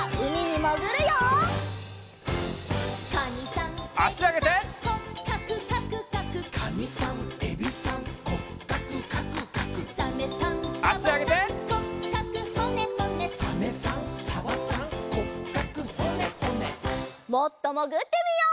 もっともぐってみよう。